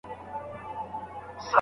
ابتدايي او پرمخ تللي